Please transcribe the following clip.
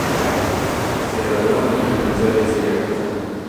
Se graduó en la Universidad de Siracusa.